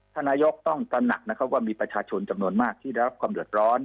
ท่านนายกต้องตระหนักนะครับว่ามีประชาชนจำนวนมากที่ได้รับความเดือดร้อน